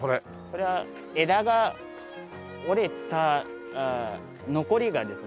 これは枝が折れた残りがですね。